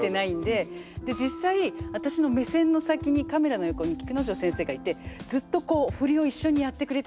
実際私の目線の先にカメラの横に菊之丞先生がいてずっとこう振りを一緒にやってくれてて。